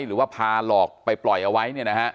หรือว่าพาหลอกไปปล่อยเอาไว้